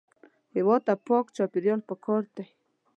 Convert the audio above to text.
هېواد ته پاک چاپېریال پکار دی